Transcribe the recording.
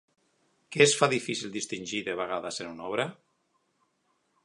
Què es fa difícil distingir de vegades en una obra?